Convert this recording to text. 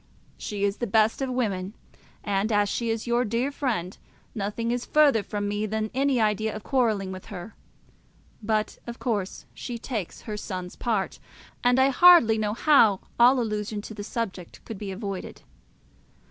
She is the best of women; and, as she is your dear friend, nothing is further from me than any idea of quarrelling with her; but of course she takes her son's part, and I hardly know how all allusion to the subject could be avoided.